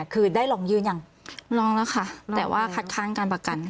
คือได้ลองยืนอย่างลองแล้วค่ะแต่ว่าคัดค้างการประกัน